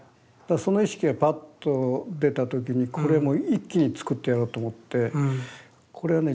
その意識がバッと出た時にこれもう一気に作ってやろうと思ってこれはね